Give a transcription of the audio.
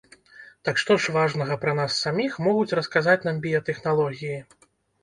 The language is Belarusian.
Так што ж важнага пра нас саміх могуць расказаць нам біятэхналогіі?